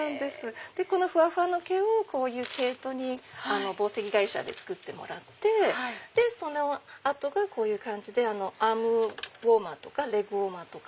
ふわふわの毛をこういう毛糸に紡績会社で作ってもらってその後がこういう感じでアームウオーマーとかレッグウオーマーとか。